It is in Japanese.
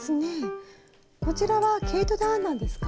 こちらは毛糸で編んだんですか？